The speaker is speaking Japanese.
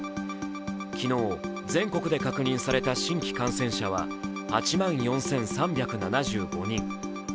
昨日、全国で確認された新規感染者は８万４３７５人。